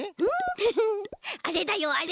フフあれだよあれ。